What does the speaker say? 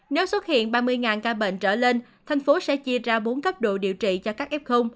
nếu xuất hiện ba mươi ca bệnh trở lên thành phố sẽ chia ra bốn cấp độ điều trị cho các f